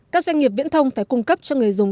các doanh nghiệp viễn thông phải cung cấp cho người dùng